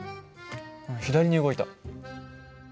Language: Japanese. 左に動いた。